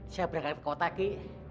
saya berangkat ke kota ki